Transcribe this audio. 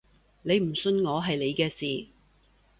你唔信我係你嘅事